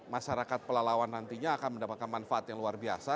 masyarakat pelalawan nantinya akan mendapatkan manfaat yang luar biasa